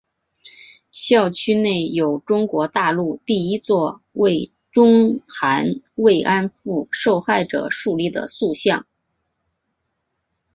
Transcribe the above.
校区内有中国大陆第一座为中韩慰安妇受害者树立的塑像。